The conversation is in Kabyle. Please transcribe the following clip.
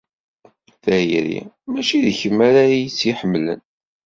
Tayri, mačči d kemm ara iyi-tt-yemmlen.